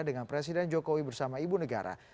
dengan presiden jokowi bersama ibu negara